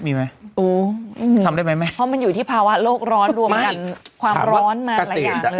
มีไหมทำได้ไหมเพราะมันอยู่ที่ภาวะโลกร้อนรวมกันความร้อนมาหลายอย่างเลย